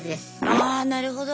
あなるほど。